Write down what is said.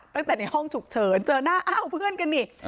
ตั้งแต่ในห้องฉุกเฉินเจอหน้าอ้าวเพื่อนกันนี่